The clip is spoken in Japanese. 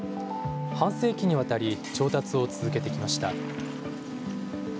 半世紀にわたり調達を続けてきました。